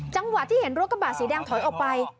จังหวะที่เห็นรถกระบะสีแดงถอยออกไป